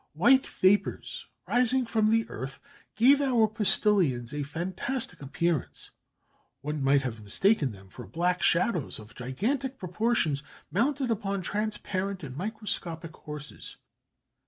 "White vapours, rising from the earth, gave our postillions a fantastic appearance; one might have mistaken them for black shadows of gigantic proportions, mounted upon transparent and microscopic horses.